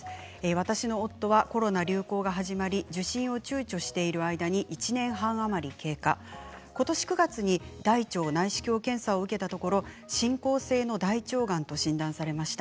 私の夫はコロナ流行が始まり受診をちゅうちょしている間に１年半余り結果ことし９月に大腸内視鏡検査を受けたところ進行性の大腸がんと診断されました。